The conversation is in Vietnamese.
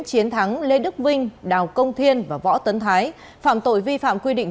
chiến thắng lê đức vinh đào công thiên và võ tấn thái phạm tội vi phạm quy định